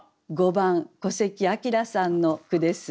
５番古関聰さんの句です。